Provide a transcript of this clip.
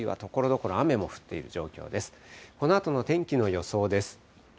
このあとの天気の予想です。